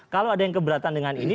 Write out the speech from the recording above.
kalau ada yang keberatan dengan ini